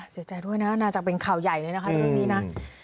เสียใจด้วยนะน่าจะเป็นข่าวใหญ่เลยนะคะ